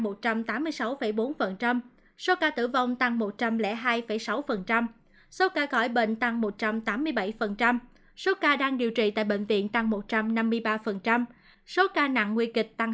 mặc dù so với tháng trước số ca mắc trong cộng đồng cả nước tăng một trăm tám mươi sáu bốn số ca tử vong tăng một trăm linh hai sáu số ca khỏi bệnh tăng một trăm tám mươi bảy số ca đang điều trị tại bệnh viện tăng một trăm năm mươi ba số ca nặng nguy kịch tăng sáu mươi hai hai